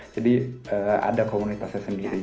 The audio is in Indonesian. jadi ada komunitasnya sendiri